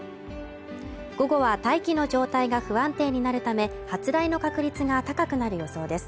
午後は大気の状態が不安定になるため、発雷の確率が高くなる予想です。